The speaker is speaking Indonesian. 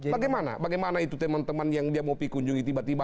bagaimana bagaimana itu teman teman yang dia mau pikunjungi tiba tiba